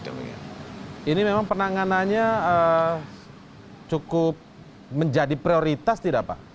ini memang penanganannya cukup menjadi prioritas tidak pak